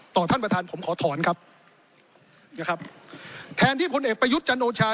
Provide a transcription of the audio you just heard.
ท่านประธานผมขอถอนครับนะครับแทนที่พลเอกประยุทธ์จันโอชา